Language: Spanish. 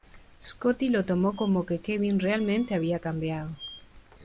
Scotty lo tomó como que Kevin realmente había cambiado.